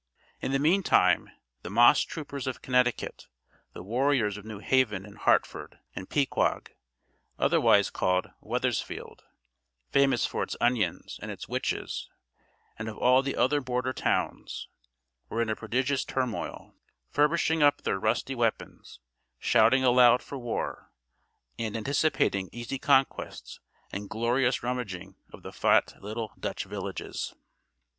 In the meantime the moss troopers of Connecticut, the warriors of New Haven and Hartford, and Pyquag otherwise called Weathersfield, famous for its onions and its witches and of all the other border towns, were in a prodigious turmoil, furbishing up their rusty weapons, shouting aloud for war, and anticipating easy conquests and glorious rummaging of the fat little Dutch villages.